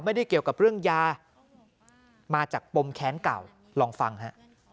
ไม่ได้เกี่ยวกับเรื่องยามาจากปมแค้นเก่าลองฟังฮะ